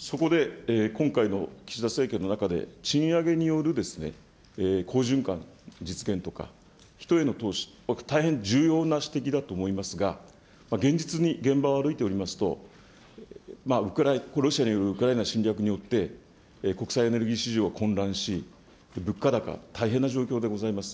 そこで、今回の岸田政権の中で、賃上げによる好循環の実現とか、人への投資、ぼく、大変重要な指摘だと思いますが、現実に現場を歩いておりますと、ロシアによるウクライナ侵略によって国際エネルギー市場が混乱し、物価高、大変な状況でございます。